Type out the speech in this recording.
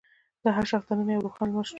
د هر شخص دننه یو روښانه لمر شتون لري.